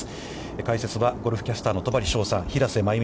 解説はゴルフキャスターの戸張捷さん、平瀬真由美